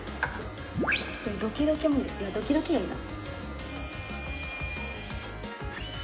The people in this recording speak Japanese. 「ドキドキ」もいいいや「ドキドキ」がいいな。